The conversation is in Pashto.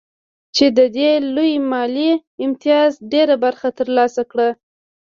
چې د دې لوی مالي امتياز ډېره برخه ترلاسه کړو